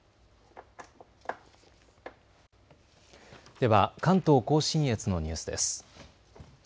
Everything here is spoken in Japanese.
では関東甲信越のニュースです。